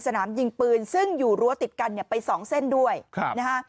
สนามยิงปืนซึ่งอยู่รั้วติดกันไป๒เส้นด้วยนะฮะ